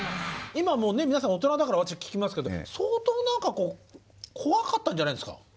今はもう皆さん大人だから私は聞きますけど相当何かこう怖かったんじゃないですか？